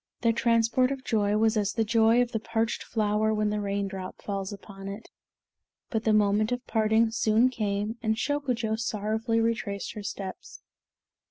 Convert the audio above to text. Their transport of joy was as the joy of the parched flower, when the raindrop falls upon it; but the moment of parting soon came, and Shokujo sorrowfully retraced her steps.